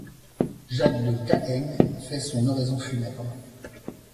Jacques de Cahaignes fait son oraison funèbre.